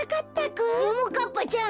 ももかっぱちゃん